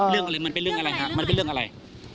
เรื่องอะไรมันเป็นเรื่องอะไรฮะมันเป็นเรื่องอะไร